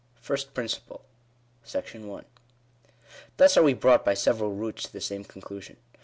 FIRST PRINCIPLE. § I Thus are we brought by several routes to the same conclusion.